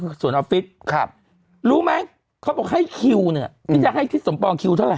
คือสวนออฟฟิศครับรู้ไหมเขาบอกให้คิวเนี่ยที่จะให้ทิศสมปองคิวเท่าไ